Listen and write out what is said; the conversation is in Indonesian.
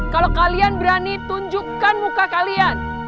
kalau kalian berani tunjukkan muka kalian